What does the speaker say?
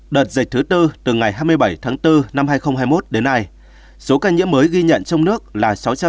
đợt dịch thứ tư từ ngày hai mươi bảy tháng bốn năm hai nghìn hai mươi một đến nay số ca nhiễm mới ghi nhận trong nước là sáu trăm sáu mươi ba hai trăm ba mươi hai ca